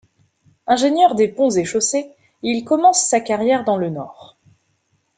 Ingénieur des Ponts et chaussées, il commence sa carrière dans le Nord.